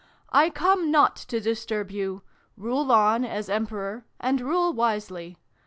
" I come not to disturb you. Rule on, as Emperor, and rule wisely.